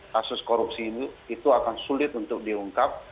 kasus korupsi itu akan sulit untuk diungkap